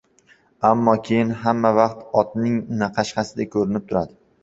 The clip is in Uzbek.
ammo keyin hammavaqt otning qashqasidek ko‘rinib turadi.